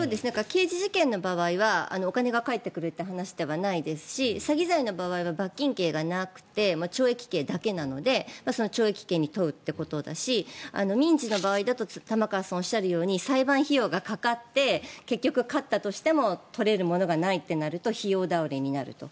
刑事事件の場合はお金が返ってくるという話じゃないですし詐欺罪の場合は罰金刑がなくて懲役刑だけなので懲役刑に問うということだし民事の場合だと玉川さんがおっしゃるように裁判費用がかかって結局、勝ったとしても取れるものがないとなると費用倒れになると。